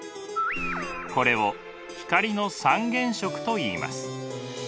これを光の三原色といいます。